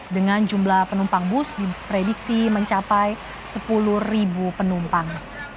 dengan jumlah penumpang bus diprediksi mencapai sepuluh penumpang